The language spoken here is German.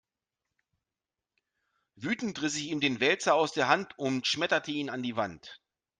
Wütend riss ich ihm den Wälzer aus der Hand und schmetterte ihn an die Wand.